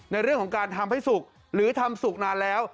ในเรื่องของการทำให้สุกหรือทำสุกนานแล้ว